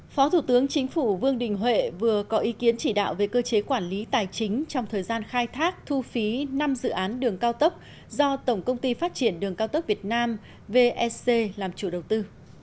phó thủ tướng chính phủ vương đình huệ vừa có ý kiến chỉ đạo về cơ chế quản lý tài chính trong thời gian khai thác thu phí năm dự án đường cao tốc do tổng công ty phát triển đường cao tốc việt nam vec làm chủ đầu tư